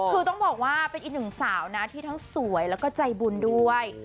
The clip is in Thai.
คือต้องบอกว่าเป็นอีกหนึ่งสาวนะที่ทั้งสวยแล้วก็ใจบุญด้วย